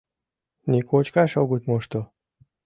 Ни кочкаш огыт мошто.